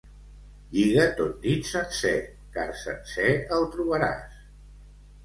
Lliga ton dit sencer, car sencer el trobaràs.